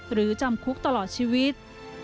หรือจำคุกตลอดชีวิต